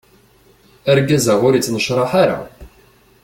Argaz-a ur ittnecraḥ ara.